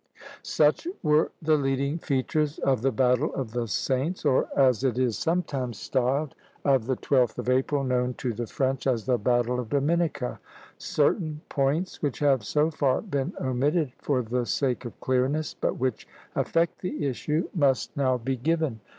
Such were the leading features of the Battle of the Saints, or, as it is sometimes styled, of the 12th of April, known to the French as the Battle of Dominica. Certain points which have so far been omitted for the sake of clearness, but which affect the issue, must now be given.